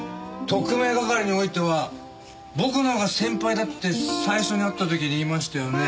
特命係においては僕のほうが先輩だって最初に会った時に言いましたよね。